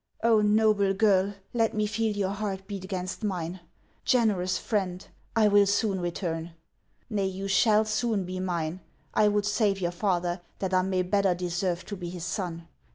" Oh, noble girl, let me feel your heart beat against mine ! Generous friend ! I will soon return. Nay, you shall soon be mine ; I would save your father, that I may better deserve to be his son.